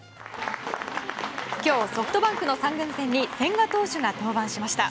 今日、ソフトバンク３軍戦に千賀投手が登板しました。